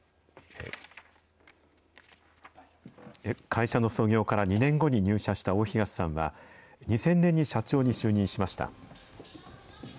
会社の創業から２年後に入社した大東さんは、２０００年に社長に就任しました。